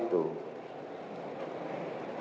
di dalam benak saudara saat itu